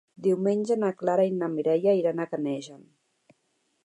Diumenge na Clara i na Mireia iran a Canejan.